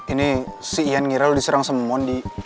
ini si ian ngira lo diserang sama mondi